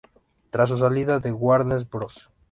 Tras su salida de Warner Bros.